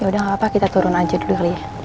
yaudah gapapa kita turun aja dulu kali ya